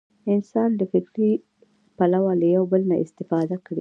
انسان له فکري پلوه له یو بل نه استفاده کړې.